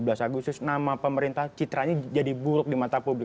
tujuh belas agustus nama pemerintah citranya jadi buruk di mata publik